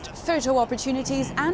kesempatan foto yang hilang